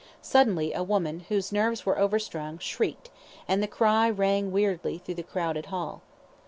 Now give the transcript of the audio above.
Suddenly, a woman, whose nerves were over strung, shrieked, and the cry rang weirdly through the crowded hall.